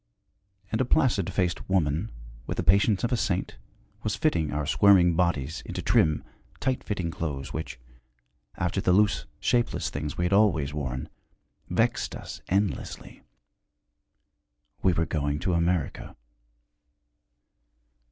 And a placid faced woman with the patience of a saint was fitting our squirming bodies into trim, tight fitting clothes, which, after the loose, shapeless things we had always worn, vexed us endlessly. We were going to America.